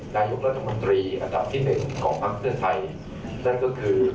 เพื่อป้องกันการที่จะถูกบินเบื้อนแล้วก็ถูกการโกงคะแนนนะครับ